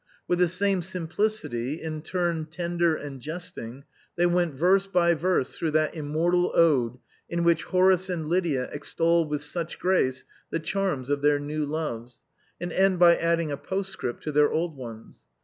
With the same simplicity, in turn tender and jesting, they went verse by verse through that immor tal ode in which Horace and Lydia extol with such grace the charms of their new loves, and end by adding a post script to their old ones.